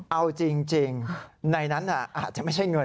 เอาจริงในนั้นอาจจะไม่ใช่เงิน